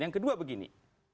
yang kedua begini